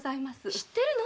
知ってるの？